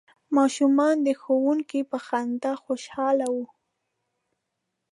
ماشومان د ښوونکي په خندا خوشحاله وو.